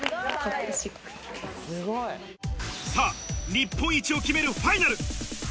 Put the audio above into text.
日本一を決めるファイナル。